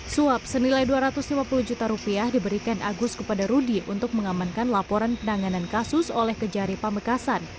suap senilai dua ratus lima puluh juta rupiah diberikan agus kepada rudy untuk mengamankan laporan penanganan kasus oleh kejari pamekasan